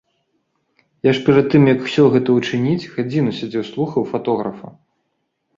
Я ж перад тым як усё гэта учыніць, гадзіну сядзеў слухаў фатографа.